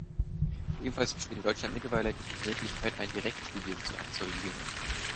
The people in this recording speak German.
Ebenfalls besteht in Deutschland mittlerweile die Möglichkeit, ein Direktstudium zu absolvieren.